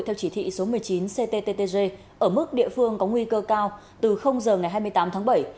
theo chỉ thị số một mươi chín cttg ở mức địa phương có nguy cơ cao từ giờ ngày hai mươi tám tháng bảy